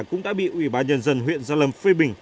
cũng đã bị ủy ban nhân dân huyện gia lâm phê bình